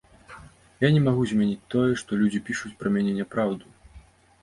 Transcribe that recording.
Я не магу змяніць тое, што людзі пішуць пра мяне няпраўду.